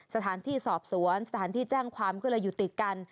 สถานที่สอบสวนสถานที่แจ้งความก็เลยอยู่ติดกัน